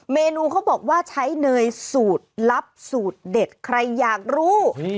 เมนูเขาบอกว่าใช้เนยสูตรลับสูตรเด็ดใครอยากรู้